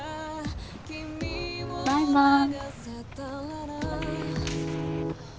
バイバイ。